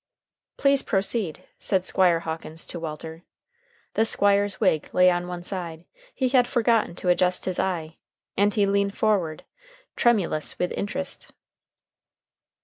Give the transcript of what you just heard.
"Please proceed," said Squire Hawkins to Walter. The Squire's wig lay on one side, he had forgotten to adjust his eye, and he leaned forward, tremulous with interest.